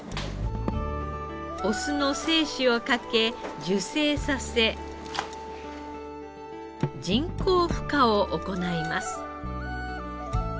オスの精子をかけ受精させ人工ふ化を行います。